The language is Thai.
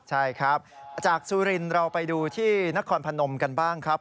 ใช่ครับจากสุรินทร์เราไปดูที่นครพนมกันบ้างครับ